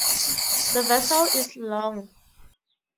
The vessel is long.